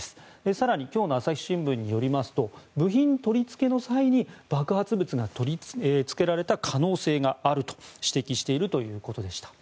更に今日の朝日新聞によりますと部品取り付けの際に爆発物が取り付けられた可能性があると指摘しているということでした。